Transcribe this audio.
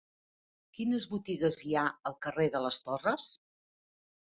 Quines botigues hi ha al carrer de les Torres?